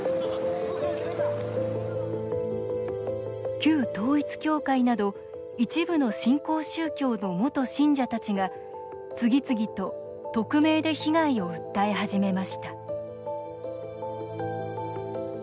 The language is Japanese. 旧統一教会など一部の新興宗教の元信者たちが次々と匿名で被害を訴え始めました